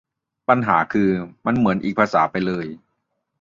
ปัญหาคือ มันเหมือนอีกภาษาไปเลย